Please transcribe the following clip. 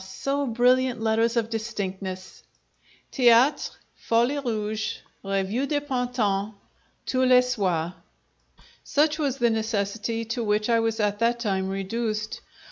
so brilliant letters of distinctness: Theatre Folie Rouge Revue de Printemps Tous les Soirs Such was the necessity to which I was at that time reduced!